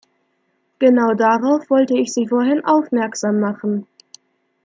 Genau darauf wollte ich Sie vorhin aufmerksam machen.